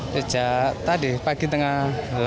sejak tadi pagi tengah